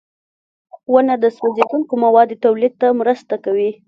• ونه د سوځېدونکو موادو تولید ته مرسته کوي.